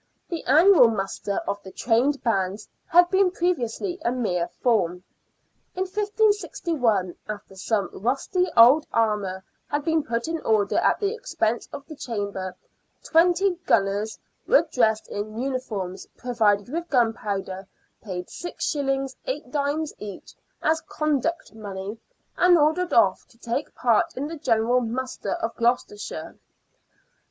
The annual muster of the trained bands had been previously a mere form. In 1561, after some rusty old armour had been put in order at the expense of the Chamber, twenty " gunners " were dressed in uniforms, provided with gunpowder, paid 6s. 8d. each as " conduct money," and ordered off to take part in the general muster of Gloucestershire.